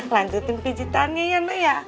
lanjutin pijitannya ya naya